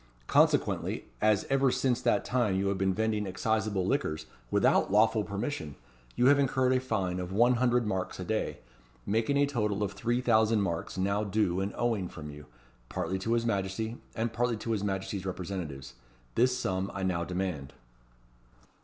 Consequently, as ever since that time you have been vending exciseable liquors without lawful permission, you have incurred a fine of one hundred marks a day, making a total of three thousand marks now due and owing from you, partly to his Majesty, and partly to his Majesty's representatives. This sum I now demand."